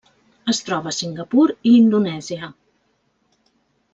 Es troba a Singapur i Indonèsia.